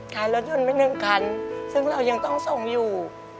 ขายรถยนต์ไปหนึ่งคันซึ่งเรายังต้องส่งอยู่